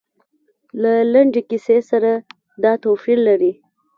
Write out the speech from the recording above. له لنډې کیسې سره دا توپیر لري.